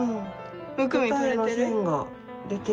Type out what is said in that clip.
むくみ取れてる？